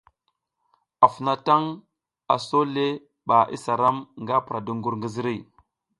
Afounatang, aso le ɓa isa ram nga pura dungur ngi ziriy.